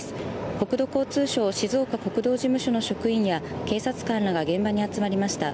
国土交通省静岡国道事務所の職員や警察官らが現場に集まりました。